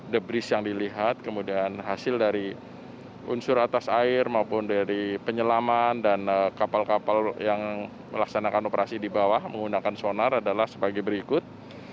the bris yang dilihat kemudian hasil dari unsur atas air maupun dari penyelaman dan kapal kapal yang melaksanakan operasi di bawah menggunakan sonar adalah sebagai berikut